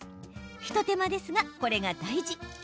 一手間ですが、これが大事。